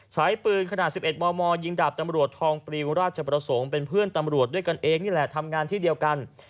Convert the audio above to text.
ใช้ปืนขนาด๑๑มมยิงดาบตำรวจทองปลิวราชประสงค์เป็นเพื่อนตำรวจด้วยกันเองนี่แหละทำงานที่เดียวกัน